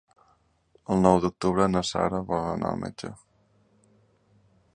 El nou d'octubre na Sara vol anar al metge.